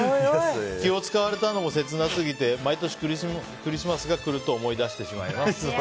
気を使われたのも切なすぎて毎年クリスマスが来ると思い出してしまいます。